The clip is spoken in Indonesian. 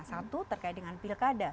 satu terkait dengan pilkada